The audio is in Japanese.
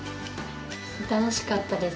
楽しかったです。